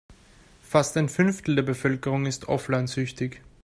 Fast ein Fünftel der Bevölkerung ist offline-süchtig.